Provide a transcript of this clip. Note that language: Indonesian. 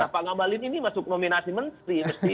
nah pak ngabalin ini masuk nominasi mesti mestinya